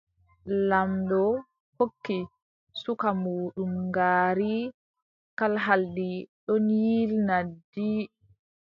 Laamɗo hokki suka muuɗum ngaari kalhaldi ɗon yiilna ndi.